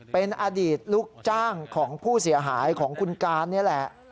เป็นอดีตลูกจ้างของผู้เสียหายของคุณการนี่แหละ